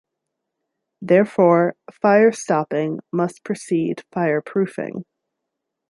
Therefore, firestopping must precede fireproofing.